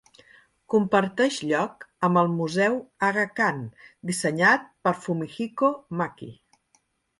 Comparteix lloc amb el Museu Aga Khan dissenyat per Fumihiko Maki.